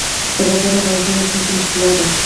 بدخشان د افغانستان د شنو سیمو ښکلا ده.